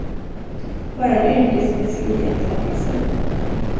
Bara en yrkesmässig iakttagelse.